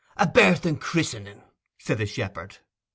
'A birth and christening,' said the shepherd.